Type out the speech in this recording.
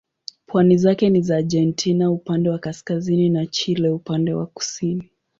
Pwani zake ni za Argentina upande wa kaskazini na Chile upande wa kusini.